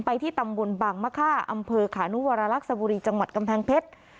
ที่ตำบลบางมะค่าอำเภอขานุวรรลักษบุรีจังหวัดกำแพงเพชร